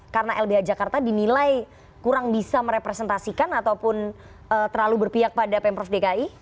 karena lbh jakarta dinilai kurang bisa merepresentasikan ataupun terlalu berpihak pada pemprov dki